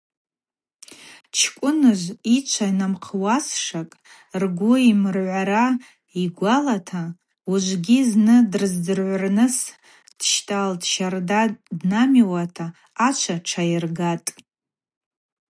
Чкӏвыныжв йычва намхъазшва, ргвы ймыргӏвара йгвалата, ужвыгьи зны дрыздзыргӏвырныс дщтӏалтӏ, щарда днамиуата ачва тшайыргатӏ.